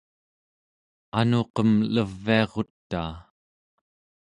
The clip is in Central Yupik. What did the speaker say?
anuqem leviarutaa